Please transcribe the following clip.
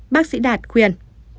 bác sĩ đạt khuyên